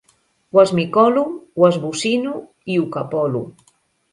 Ho esmicolo, ho esbocino i ho capolo.